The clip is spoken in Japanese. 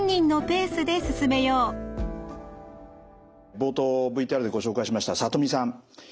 冒頭ＶＴＲでご紹介しましたさとみさん。